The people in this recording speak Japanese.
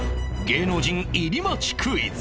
芸能人入り待ちクイズ